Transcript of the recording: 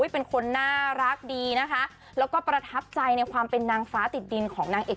ประทับใจความเป็นนางฟ้าติดดิน